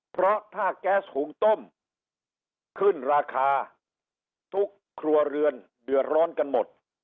เพราะถ้าแก๊สหุงต้มขึ้นราคาทุกครัวเรือนเดือดร้อนกันหมด